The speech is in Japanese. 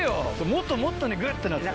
もっともっとねグッとなって。